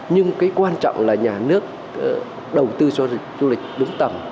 nhưng cái quan trọng là nhà nước đầu tư cho du lịch đúng tầm